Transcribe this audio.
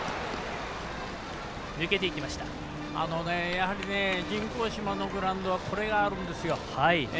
やはり、人工芝のグラウンドはこれがあるんですよ。